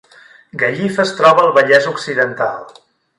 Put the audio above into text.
Gallifa es troba al Vallès Occidental